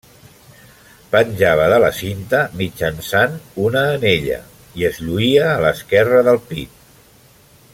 Penjava de la cinta mitjançant una anella; i es lluïa a l'esquerra del pit.